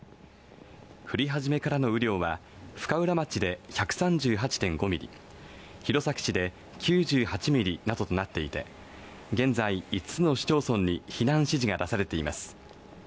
降り始めからの雨量は深浦町で１３８．５ミリ弘前市で９８ミリなどとなっていて現在５つの市町村に避難指示が出されています